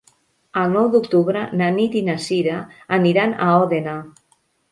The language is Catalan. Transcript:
El nou d'octubre na Nit i na Cira aniran a Òdena.